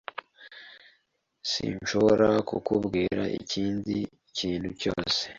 Sinshobora kukubwira ikindi kintu cyose.